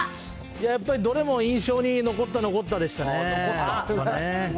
やっぱり、どれも印象に残った残ったでしたね。